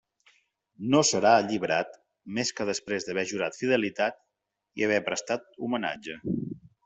No serà alliberat més que després d'haver jurat fidelitat i haver prestat homenatge.